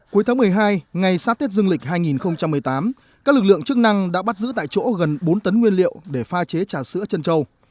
cuối tháng một mươi hai ngay sát tết dương lịch hai nghìn một mươi tám các lực lượng chức năng đã bắt giữ tại chỗ gần bốn tấn nguyên liệu để pha chế trà sữa chân trâu